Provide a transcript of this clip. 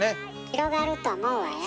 広がると思うわよ。